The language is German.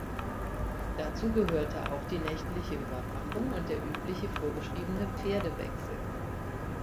Dazu gehörte auch die nächtliche Überwachung und der übliche vorgeschriebene Pferdewechsel.